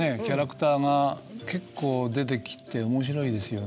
キャラクターが結構出てきて面白いですよね。